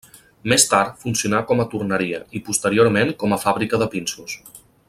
Més tard funcionà com a torneria i posteriorment com a fàbrica de pinsos.